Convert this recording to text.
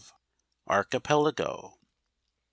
ARCHIPELAGO. 31